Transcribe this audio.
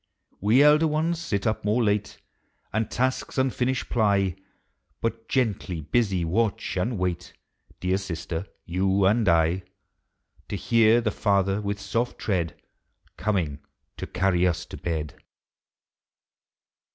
We, elder ones, sit up more late, And tasks unfinished ply, But, gently busy, watch and wait Dear sister, you and I, To hear the Father, with soft tread, Coming to carry us to bed.